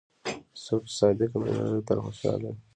څوک چې صادق مینه لري، تل خوشحال وي.